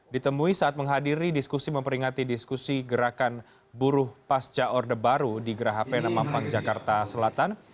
ditemui saat menghadiri diskusi memperingati diskusi gerakan buruh pasca order baru di gerah hp enam pangjakarta selatan